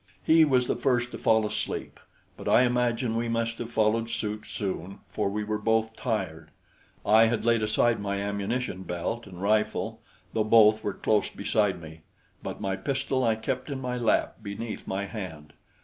He was the first to fall asleep; but I imagine we must have followed suit soon, for we were both tired. I had laid aside my ammunition belt and rifle, though both were close beside me; but my pistol I kept in my lap beneath my hand.